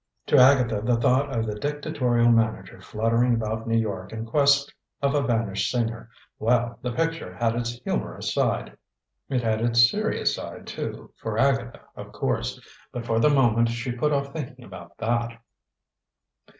To Agatha the thought of the dictatorial manager fluttering about New York in quest of a vanished singer well, the picture had its humorous side. It had its serious side, too, for Agatha, of course, but for the moment she put off thinking about that.